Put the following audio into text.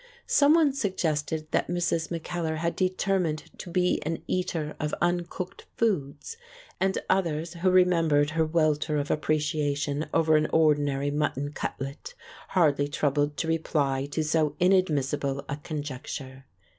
Someone suggested that Mrs. Mackellar had determined to be an eater of uncooked foods, and others who remembered her welter of appreciation over an ordinary mutton cutlet, hardly troubled to reply to so inadmissible a conjecture.